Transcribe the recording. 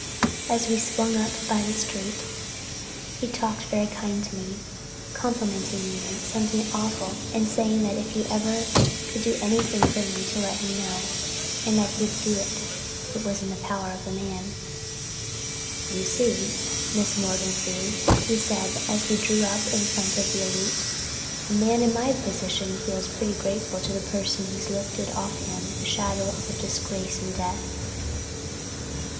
As we swung up the street he talked very kind to me, complimenting me something awful, and saying that if he ever could do anything for me to let him know and he'd do it if it was within the power of man. "You see, Miss Morganthau," he said as we drew up in front of the Elite, "a man in my position feels pretty grateful to the person who's lifted off him the shadow of disgrace and death."